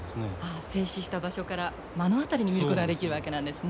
ああ静止した場所から目の当たりに見ることができるわけなんですね。